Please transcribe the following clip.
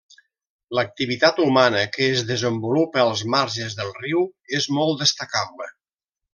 L'activitat humana que es desenvolupa als marges del riu és molt destacable.